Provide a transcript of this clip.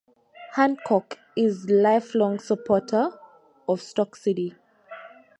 Hancock is a lifelong supporter of Stoke City.